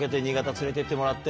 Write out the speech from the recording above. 連れてってもらって。